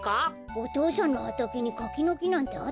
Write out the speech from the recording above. お父さんのはたけにかきのきなんてあったっけな？